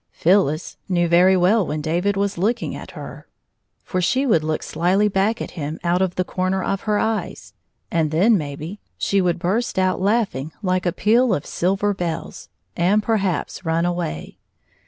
Phyllis knew very well when David was lookiiig 8+ at her, for she would look slyly back at hun out of the corner of her eyes, and then, maybe, she would burst out laughing like a peal of silver bells, and perhaps run away.